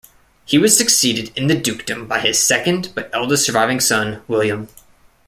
He was succeeded in the dukedom by his second but eldest surviving son, William.